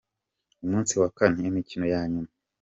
Umunsi wa kane: Imikino ya nyuma.